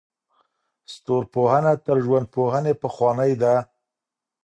ستورپوهنه تر ژوندپوهنې پخوانۍ ده.